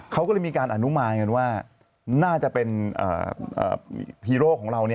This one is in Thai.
เขาก็เลยมีการอนุมานกันว่าน่าจะเป็นฮีโร่ของเรา